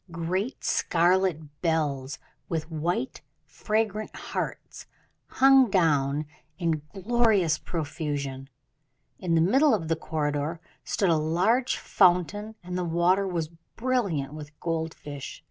Great scarlet bells, with white, fragrant hearts, hung down in glorious profusion. In the middle of the corridor stood a large fountain, and the water was brilliant with gold fish.